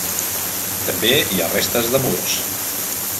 També hi ha restes de murs.